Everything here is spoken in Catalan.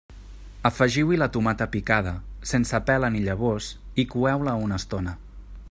Afegiu-hi la tomata picada, sense pela ni llavors, i coeu-la una estona.